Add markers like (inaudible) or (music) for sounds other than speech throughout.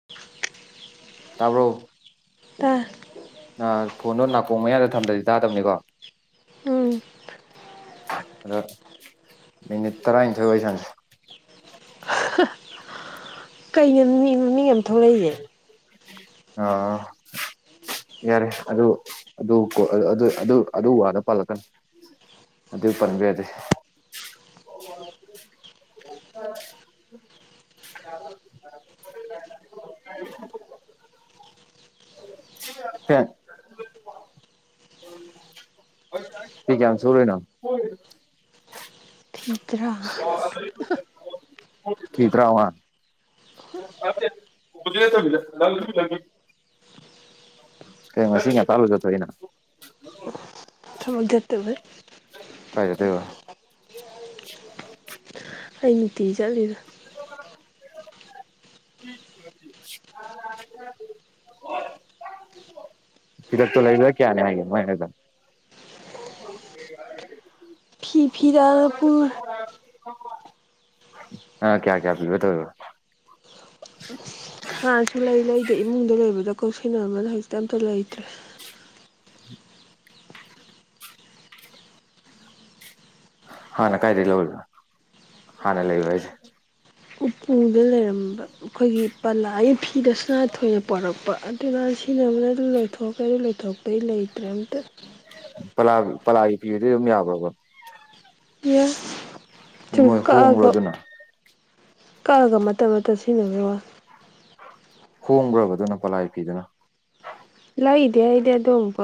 (unintelligible) ꯇꯕ꯭ꯔꯣ ꯇ ꯐꯣꯟꯗꯣ ꯅꯥꯀꯣꯡ ꯃꯌꯥꯗ ꯊꯝꯗꯗꯤ ꯇꯥꯗꯕꯅꯤꯀꯣ ꯎꯝ ꯑꯗ ꯃꯤꯅꯤꯠ ꯇꯔꯥ ꯏꯅꯤꯊꯣꯏ ꯑꯣꯏ ꯆꯥꯟꯁꯦ ꯀꯩꯒꯤ ꯃꯤ ꯃꯃꯤꯡ ꯑꯃ ꯊꯣꯛꯂꯛꯏꯁꯦ ꯑꯣ ꯌꯥꯔꯦ ꯑꯗꯨ ꯑꯗꯨ ꯑꯗꯨ ꯋꯥꯅ ꯄꯥꯜꯂꯛꯀꯅꯤ ꯑꯗꯨ ꯄꯟꯕꯤꯔꯗꯦ ꯑ (unintelligible) ꯍꯣꯏ ꯊꯤ ꯀꯝ ꯁꯔꯣꯏꯅ ꯊꯗ꯭ꯔꯥ ꯀ ꯇ꯭ꯔꯥꯃ ꯍꯧꯖꯦ ꯂ ꯂꯒꯦ ꯀꯩꯅꯣ ꯅꯥꯁꯤꯅꯥ ꯀꯔꯝꯕꯥ ꯆꯇꯣꯏꯅꯣ ꯊꯃꯗꯇꯕꯦ ꯀꯥꯢ ꯆꯇꯣꯏꯕ ꯍꯣꯏ ꯑꯩ ꯅꯨꯡꯇꯤꯒꯤ ꯆꯠꯂꯤꯗ (unintelligible) ꯍꯣꯏ ꯍꯤꯗꯛꯇꯣ ꯂꯩꯕ꯭ꯔꯥ ꯀꯌꯥꯅꯤ ꯍꯥꯏꯒꯦꯅꯣꯣꯏꯗ ꯎꯝ ꯐꯤ ꯐꯤꯔꯒ ꯄꯨꯔꯥ ꯅꯪꯅꯥ ꯀꯌꯥ ꯀꯌꯥ ꯄꯤꯕ ꯇꯧꯔꯤꯕꯥ ꯍꯥꯥꯟꯁꯨ ꯂꯩ ꯂꯩꯗ ꯏꯃꯨꯡꯗ ꯂꯩꯕꯗ ꯀꯧꯁꯤꯟꯅꯔꯝꯕꯗ ꯍꯖꯤꯛꯇꯤ ꯑꯝꯇ ꯂꯩꯇ꯭ꯔꯦ ꯍꯟꯅꯥ ꯀꯥꯏꯗꯒꯤ ꯂꯧꯔꯤꯕꯥ ꯍꯟꯅꯥ ꯂꯩꯕ꯭ꯔꯥ ꯍꯥꯏꯁꯦv ꯇꯨꯡ ꯗꯥ ꯂꯩ ꯎꯝ (unintelligible) ꯑꯩꯈꯣꯏꯒꯤ ꯄꯂꯥꯒꯤ ꯗꯥ ꯁꯅꯊꯣꯏ ꯅꯥ ꯄꯨꯔꯥꯛ ꯄꯥ ꯑꯗꯨꯅ ꯁꯤꯅ ꯑꯃꯅ ꯑꯗꯨ ꯂꯣꯏꯊꯣꯛꯇ꯭ꯔꯩ ꯑꯗꯨ ꯂꯩꯊꯣꯛꯄꯩ ꯂꯩꯅꯤ ꯇ꯭ꯔꯦꯟꯇꯦ ꯄꯂꯥ ꯄꯂꯥꯒꯤ ꯄꯤꯔꯗꯤ ꯑꯗꯨꯝ ꯌꯥꯕ꯭ꯔꯣꯕꯣ ꯌꯦ ꯆꯨꯝ ꯃꯣꯏ ꯀꯥꯛ ꯍꯣꯡꯕ꯭ꯔꯣ ꯑꯒꯥ ꯑꯗꯨꯅ ꯀꯥꯛ ꯑꯒ ꯃꯇꯨꯞ ꯃꯇꯨꯞ ꯁꯦꯝꯒꯤꯕꯥꯒꯤ ꯋꯥ ꯍꯣꯡꯈ꯭ꯔꯕꯗꯨꯅ ꯄꯂꯥꯏ ꯄꯤꯗꯅ ꯂꯩꯗꯦ ꯑꯩꯗꯤ ꯑꯗꯨꯝꯕ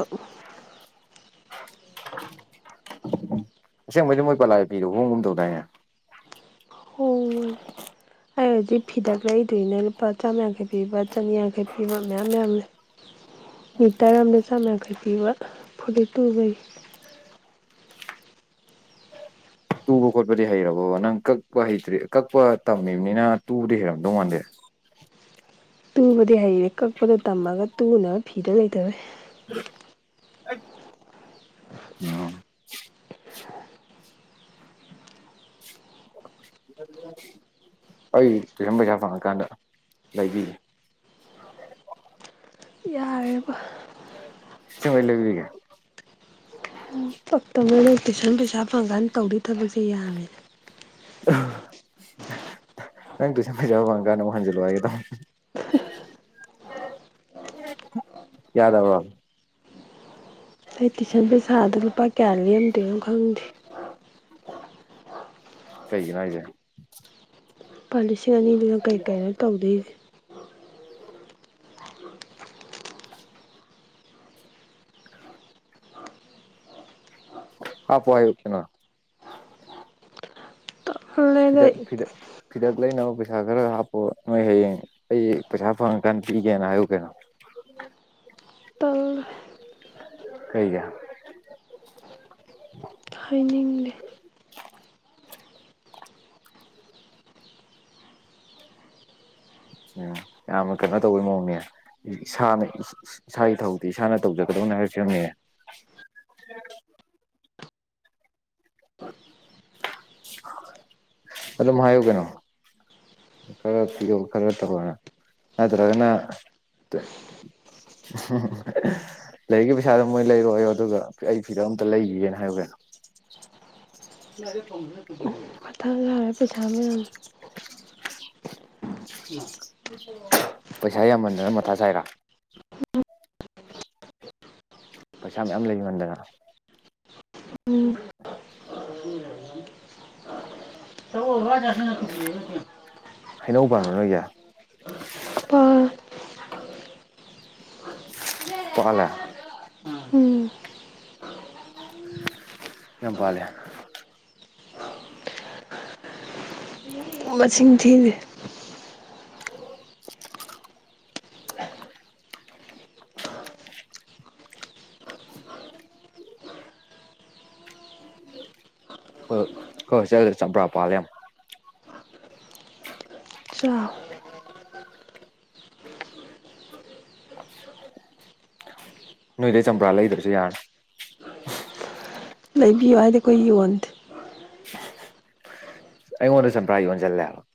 ꯎ ꯑꯁꯦꯡꯕꯩꯗꯤ ꯃꯣꯏ ꯄꯂꯥꯏ ꯄꯤꯗꯣ ꯍꯣꯡꯒꯨꯝ ꯇꯧꯗꯥꯏꯅꯦ ꯍꯣꯡꯕ ꯑꯩ ꯍꯧꯖꯤꯛ ꯐꯤꯗꯛ ꯂꯩꯗꯣꯏꯅꯦ ꯂꯨꯄꯥ ꯆꯥꯝ ꯌꯥꯡꯈꯩ ꯄꯤꯕ ꯆꯅꯤꯌꯥꯡꯈꯩ ꯄꯤꯕ ꯃꯌꯥꯝ ꯃꯌꯥꯝ ꯂꯩ ꯃꯤꯇꯔ ꯑꯃꯗ ꯆꯥꯝ ꯌꯥꯡꯈꯩ ꯄꯤꯕ ꯐꯨꯔꯤꯠ ꯇꯨꯕꯩ ꯇꯨꯕ ꯈꯣꯠꯄꯗꯤ ꯍꯩꯔꯕꯥꯕ ꯅꯪ ꯀꯛꯄ ꯍꯩꯇ꯭ꯔꯤ ꯀꯛꯄ ꯇꯝꯃꯤꯕꯅꯤꯅ ꯇꯨꯕꯗꯤ ꯍꯩꯔꯝꯗꯧ ꯃꯥꯟꯗꯦ ꯇꯨꯕꯗꯤ ꯍꯩꯔꯦ ꯀꯛꯄꯗꯣ ꯇꯝꯃꯒ ꯇꯨꯅꯕ ꯐꯤꯗꯣ ꯂꯩꯇꯕꯒꯤ (unintelligible) ꯎꯝ (unintelligible) (unintelligible) ꯑꯩ ꯇꯨꯏꯁꯟ ꯄꯩꯁꯥ ꯐꯪꯉꯀꯥꯟꯗ ꯂꯩꯕꯤꯒꯦ (unintelligible) ꯌꯥꯔꯦꯕ ꯑꯁꯦꯡꯕꯩ ꯂꯩꯕꯤꯒꯦ (unintelligible) ꯇꯨꯁꯟ ꯄꯩꯁꯥ ꯐꯪꯀꯥꯟꯗ ꯇꯧꯗꯣꯏ ꯊꯕꯛꯁꯦ ꯌꯥꯝꯃꯦ ꯅꯪ ꯇꯨꯏꯁꯟ ꯐꯩꯉ ꯀꯥꯟꯗ ꯑꯃꯨꯛ ꯍꯟꯖꯤꯜꯂꯨ ꯍꯥꯏꯒꯦ ꯇꯧꯅꯤ (unintelligible) ꯌꯥꯗꯕ꯭ꯔꯣ ꯑꯩ ꯇꯨꯏꯁꯟ ꯄꯩꯁꯥꯗꯣ ꯂꯨꯄꯥ ꯀꯌꯥ ꯂꯦꯝꯝꯗꯣꯏꯅꯣ ꯈꯪꯗꯦ ꯀꯩꯒꯤꯅꯣ ꯍꯥꯏꯖꯦ ꯂꯨꯄꯥ ꯂꯤꯁꯤꯡ ꯑꯅꯤꯗꯨꯅ ꯀꯩ ꯀꯩꯅꯣ ꯇꯧꯗꯣꯏꯁꯦ (unintelligible) (inaudible) ꯍꯣꯄꯣ ꯍꯥꯏꯌꯣ ꯀꯩꯅꯣ ꯇꯜꯂꯦꯗ ꯐꯤꯗꯛ ꯐꯤꯗꯛ ꯐꯤꯗꯛ ꯂꯩꯅꯕ ꯄꯩꯁꯥ ꯈꯔ ꯍꯥꯞꯄꯣ ꯅꯣꯏ ꯍꯌꯦꯡ ꯑꯩ ꯄꯁꯥ ꯐꯉ ꯀꯥꯟ ꯄꯤ ꯒꯦꯅ ꯍꯥꯏꯌꯨ ꯀꯩꯅꯣ ꯇꯜꯂꯦ ꯀꯩꯒꯤ ꯍꯥꯏꯅꯤꯡꯗꯦ ꯎꯝ ꯌꯥꯝꯅ ꯀꯩꯅꯣ ꯇꯧꯕꯒꯤ ꯃꯑꯣꯡꯅꯦ ꯏꯁꯥꯅꯥ ꯏꯁꯥ ꯏꯁꯥꯒꯤ ꯊꯕꯛꯇꯤ ꯏꯁꯥꯅ ꯇꯧꯖꯒꯗꯧꯅꯦ ꯍꯥꯏꯕꯁꯤ ꯑꯃꯅꯦ ꯑꯗꯨꯝ ꯍꯥꯏꯌꯨ ꯀꯩꯅꯣ ꯈꯔ ꯄꯤꯌꯣ ꯈꯔ ꯇꯧꯔꯣ ꯍꯥꯏꯔꯣ ꯅꯠꯇ꯭ꯔꯒꯅ (unintelligible) ꯂꯩꯔꯤ ꯄꯩꯁꯥꯗꯣꯅꯥ ꯃꯣꯏ ꯂꯩꯔꯣ ꯌꯣ ꯑꯗꯨꯒ ꯑꯩ ꯐꯤꯗꯣ ꯑꯝꯇ ꯂꯩꯈꯤꯒꯦꯅ ꯍꯥꯏꯌꯣ ꯀꯔꯤꯅꯣ (unintelligible) ꯄꯩꯁꯥ ꯃꯌꯥꯝ ꯎ (unintelligible) ꯄꯩꯁꯥ ꯌꯥꯝꯃꯟꯗꯅ ꯃꯊꯥ ꯁꯥꯏꯔꯥ ꯄꯩꯁꯥ ꯃꯌꯥꯝ ꯂꯩꯃꯟꯗꯅ ꯎꯝ (unintelligible) ꯍꯩꯅꯧ ꯄꯥꯟꯕ꯭ꯔ ꯅꯣꯏꯒꯤ ꯂꯨꯄꯥ ꯄꯥꯟꯂꯦ ꯎꯝ ꯌꯥꯝ ꯄꯥꯂꯦ ꯃꯁꯤꯡ ꯊꯤꯗꯦ ꯍꯣꯏ ꯑꯩꯈꯣꯏ ꯍꯣꯁ꯭ꯇꯦꯜꯗꯥꯗꯤ ꯆꯝꯄ꯭ꯔꯥ ꯄꯥꯜꯂꯦ ꯌꯥꯝ ꯆꯥꯎ ꯅꯣꯏꯗꯩ ꯆꯝꯄ꯭ꯔꯥ ꯂꯩꯗ꯭ꯔꯁꯨ ꯌꯥꯔꯥꯅꯤ ꯂꯩꯕꯤꯌꯨ ꯍꯥꯏꯗꯦ ꯑꯩꯈꯣꯏ ꯌꯣꯟꯗꯦ ꯑꯩꯉꯣꯟꯗ ꯁꯝꯄ꯭ꯔꯥꯏ ꯌꯣꯟꯖꯜꯂꯦꯕ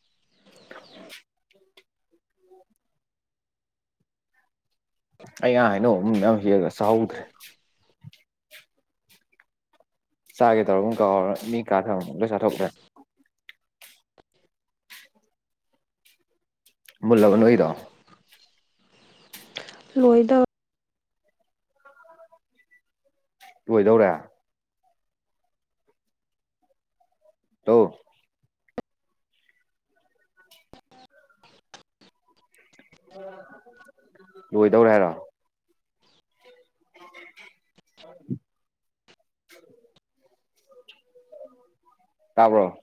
ꯑꯩ ꯉꯔꯥꯡ ꯍꯩꯅꯧ ꯑꯃꯨꯟꯕ ꯌꯥꯝ ꯍꯦꯛꯑꯒ ꯆꯍꯧꯗ꯭ꯔꯦ ꯆꯥꯒꯦ ꯇꯧꯔꯒ ꯛꯥꯎꯔ ꯃꯤ ꯀꯥ ꯊꯅꯝꯔ ꯂꯣꯏ ꯆꯥꯊꯣꯛꯈ꯭ꯔꯦ ꯃꯨꯜꯂꯕ ꯅꯣꯏꯗꯣ ꯂꯣꯏꯗꯧ ꯂꯣꯏꯗꯧꯔꯦ ꯍꯜꯂꯣ ꯂꯣꯏꯗꯧꯔꯦ ꯍꯥꯏꯔꯣ (unintelligible) ꯇꯥꯕ꯭ꯔꯣ